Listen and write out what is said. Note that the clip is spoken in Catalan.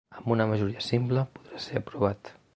Amb una majoria simple podrà ser aprovat.